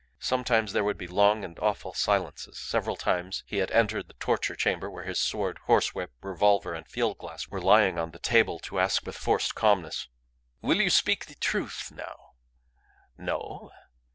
Sometimes there would be long and awful silences. Several times he had entered the torture chamber where his sword, horsewhip, revolver, and field glass were lying on the table, to ask with forced calmness, "Will you speak the truth now? No?